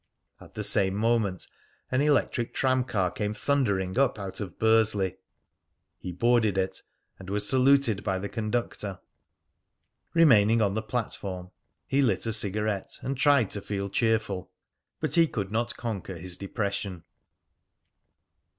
At the same moment an electric tram car came thundering up out of Bursley. He boarded it, and was saluted by the conductor. Remaining on the platform, he lit a cigarette, and tried to feel cheerful; but he could not conquer his depression.